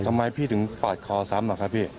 ทำไมพี่ถึงปาดคอซ้ำหรอครับพี่